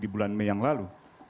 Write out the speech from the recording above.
di bulan mei yang lalu